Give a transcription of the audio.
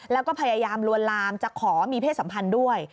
แล้วก็พยายามลวนลามจะขอมีเพศสัมพันธ์ด้วย